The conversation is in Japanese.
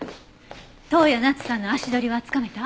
登矢奈津さんの足取りはつかめた？